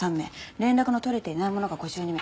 連絡の取れていない者が５２名。